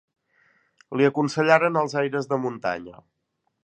Li aconsellaren els aires de muntanya.